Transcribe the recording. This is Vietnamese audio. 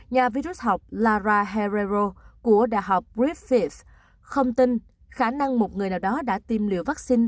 nhà vi rút học lara herrero của đại học griffith không tin khả năng một người nào đó đã tiêm liều vaccine